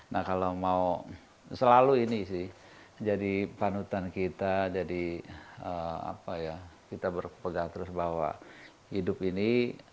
nah kalau mau selalu ini sih jadi panutan kita jadi apa ya kita berpegang terus bahwa hidup ini